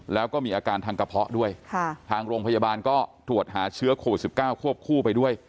แล้วก็มีอาการทางกระเพาะด้วยทางโรงพยาบาลก็ตรวจหาเชื้อโควิด๑๙ควบคู่ไปด้วย